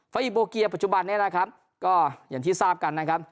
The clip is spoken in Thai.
อิโบเกียปัจจุบันนี้นะครับก็อย่างที่ทราบกันนะครับ